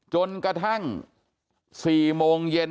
จนกระทั่ง๔โมงเย็น